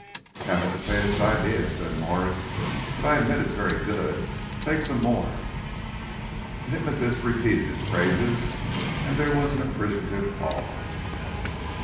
"Haven't the faintest idea," said Mwres, "but I admit it's very good. Take some more." The hypnotist repeated his praises, and there was an appreciative pause.